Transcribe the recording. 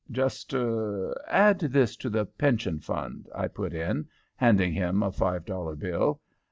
"Just er add this to the pension fund," I put in, handing him a five dollar bill.